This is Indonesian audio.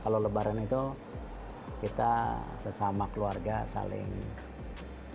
kalau lebaran itu kita sesama keluarga saling